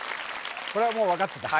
これはもう分かってた？